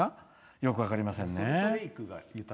よく分かりませんね。